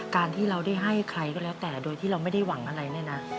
การที่เราได้ให้ใครก็แล้วแต่โดยที่เราไม่ได้หวังอะไรเนี่ยนะ